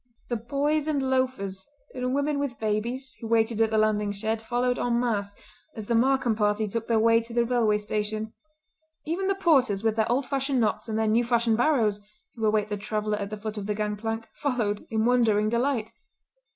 The boys and loafers, and women with babies, who waited at the landing shed, followed en masse as the Markam party took their way to the railway station; even the porters with their old fashioned knots and their new fashioned barrows, who await the traveller at the foot of the gang plank, followed in wondering delight.